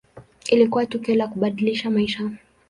Ilikuwa tukio la kubadilisha maisha.